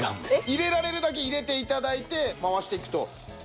入れられるだけ入れて頂いて回していくと。